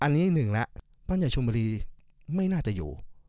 อันนี้หนึ่งแล้วบ้านใหญ่ชมบุรีไม่น่าจะอยู่